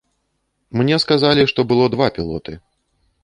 Мне сказалі што было два пілоты.